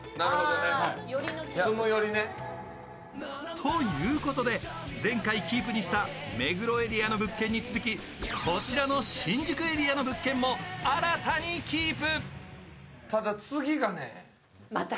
ということで、前回キープにした目黒エリアの物件に続き、こちらの新宿エリアの物件も新たにキープ。